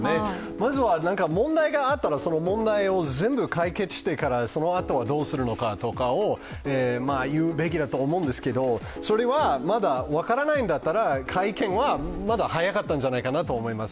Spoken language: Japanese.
まずは問題があったら、その問題を全部解決してからそのあとはどうするのかとかを言うべきだと思うんですけど、それはまだ分からないんだったら、会見はまだ早かったんじゃないかなと思います。